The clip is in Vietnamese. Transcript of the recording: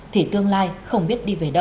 thì tương lai không biết đi về đâu